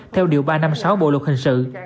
theo điều ba trăm năm mươi sáu bộ luật hình sự